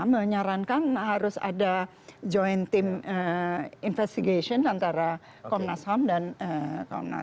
menyarankan harus ada joint team investigation antara komnas ham dan komnas